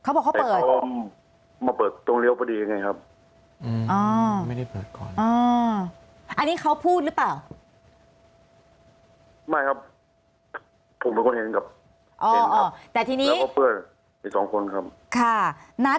อันนี้เค้าพูดหรือเปล่า